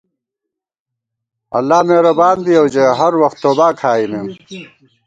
اللہ مېرَبان بِیَؤ ژَئی، ہر وخت توبا کھائیمېم